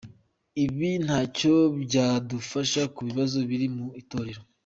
Ibi ntacyo byadufasha ku bibazo biri mu itorero.